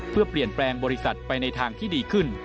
เพื่อเปลี่ยนแปลงบริษัทไปในทางที่ดีขึ้น